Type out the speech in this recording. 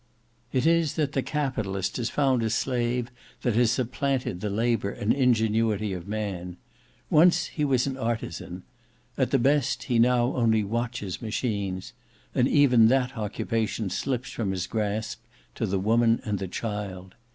"It is that the Capitalist has found a slave that has supplanted the labour and ingenuity of man. Once he was an artizan: at the best, he now only watches machines; and even that occupation slips from his grasp, to the woman and the child.